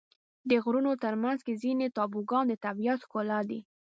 د غرونو منځ کې ځینې ټاپوګان د طبیعت ښکلا دي.